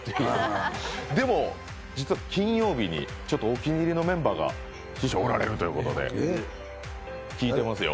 でも、実は金曜日にちょっとお気に入りのメンバーがおられるということで聞いてますよ。